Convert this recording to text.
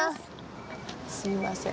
すいません。